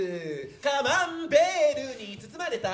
カマンベールに包まれた。